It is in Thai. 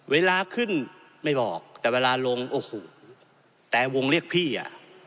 เวลาขึ้นไม่บอกแต่เวลาลงโอ้โหแต่วงเรียกพี่อ่ะ